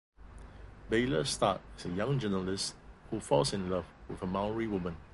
Bayler starred as a young journalist who falls in love with a Maori woman.